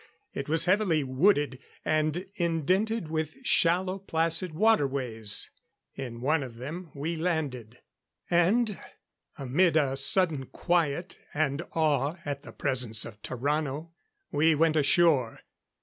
It was heavily wooded, and indented with shallow, placid waterways. In one of them we landed; and amid a sudden quiet and awe at the presence of Tarrano, we went ashore.